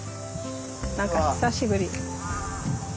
何か久しぶり。